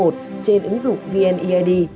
trên ứng dụng vnead